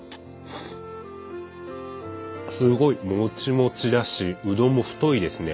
すごいもちもちだしうどんも太いですね。